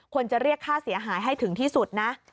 จะเรียกค่าเสียหายให้ถึงที่สุดนะ